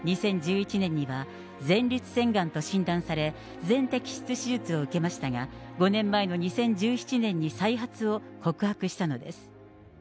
２０１１年には、前立腺がんと診断され、全摘出手術を受けましたが、５年前の２０１７年に再発を告白したのです。